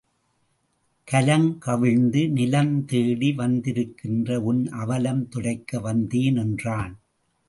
கலங் கவிழ்ந்து நிலம் தேடி வந்திருக்கின்ற உன் அவலம் துடைக்க வந்தேன் என்றான்.